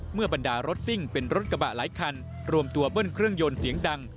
บรรดารถซิ่งเป็นรถกระบะหลายคันรวมตัวเบิ้ลเครื่องยนต์เสียงดัง